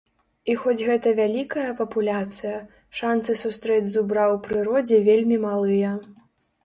І хоць гэта вялікая папуляцыя, шанцы сустрэць зубра ў прыродзе вельмі малыя.